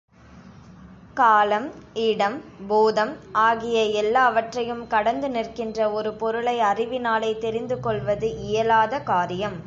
காலம், இடம், பூதம் ஆகிய எல்லாவற்றையும் கடந்து நிற்கின்ற ஒரு பொருளை அறிவினாலே தெரிந்து கொள்வது இயலாத காரியம்.